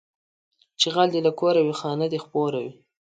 چې غل دې له کوره وي، خانه دې خپوره وي